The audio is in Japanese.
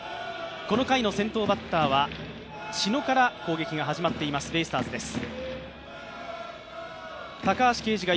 この回の先頭バッターは知野から攻撃が始まっていますベイスターズです。